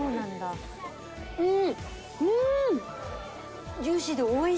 うん！